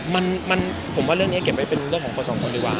มันผมว่าเรื่องนี้เก็บไว้เป็นเรื่องของคนสองคนดีกว่า